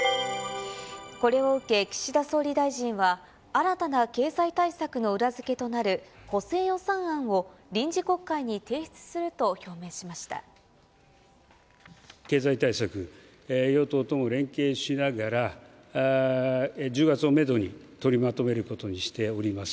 これを受け岸田総理大臣は、新たな経済対策の裏付けとなる補正予算案を臨時国会に提出すると経済対策、与党とも連携しながら、１０月をメドに取りまとめることにしております。